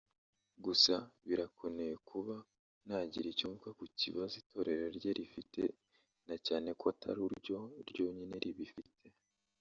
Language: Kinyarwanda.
Gusa birakoneye kuba nagira icyo mvuga Ku bibazo itorero rye rifite na cyane ko ataruryo ryonyine ribifite